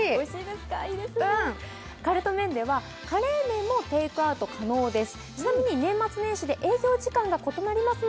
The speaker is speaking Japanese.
カレとＭｅｎではカレー麺もテイクアウト可能です。